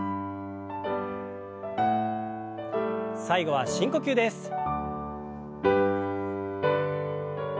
最後は深呼吸です。